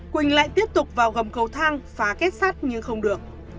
quỳnh lại tiếp tục vào gầm cầu thang phá kết sát nhưng không được